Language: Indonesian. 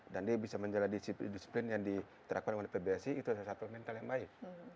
dia bisa menjalani disiplin yang diterapkan oleh pbsi itu adalah satu mental yang baik